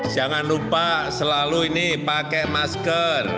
jangan lupa selalu ini pakai masker